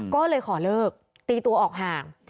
ก็เลยขอเลิกตีตัวออกห่าง